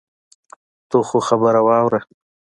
ته خو خبره واوره.